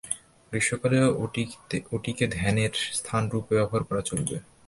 গ্রীষ্মকালে ওটিকে ধ্যানের স্থানরূপে ব্যবহার করা চলবে।